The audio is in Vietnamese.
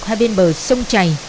hai bên bờ sông chày